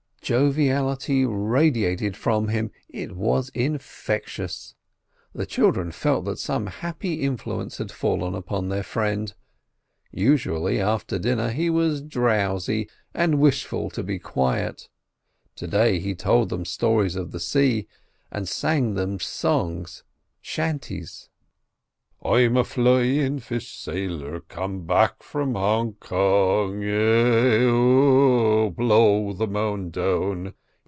Joviality radiated from him: it was infectious. The children felt that some happy influence had fallen upon their friend. Usually after dinner he was drowsy and "wishful to be quiet." To day he told them stories of the sea, and sang them songs—chantys: "I'm a flyin' fish sailor come back from Hong Kong, Yeo ho! blow the man down.